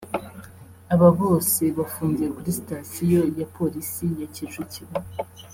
Aba bose bafungiye kuri stasiyo ya Polisi ya Kicukiro